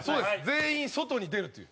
全員、外に出るという。